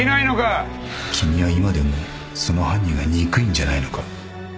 君は今でもその犯人が憎いんじゃないのか？